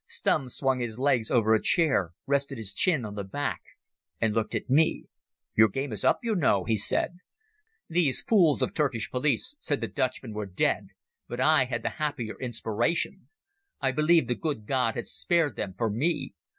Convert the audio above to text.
Stumm swung his legs over a chair, rested his chin on the back and looked at me. "Your game is up, you know," he said. "These fools of Turkish police said the Dutchmen were dead, but I had the happier inspiration. I believed the good God had spared them for me.